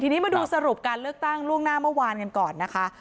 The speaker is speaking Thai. ทีนี้มาดูสรุปการเลือกตั้งล่วงหน้าเมื่อวานกันก่อนนะคะ